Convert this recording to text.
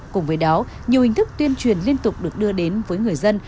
cùng với đó nhiều hình thức tuyên truyền liên tục được đưa đến với người dân